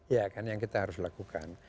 ya kan yang kita harus lakukan